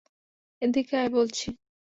এদিকে আয় বলছি।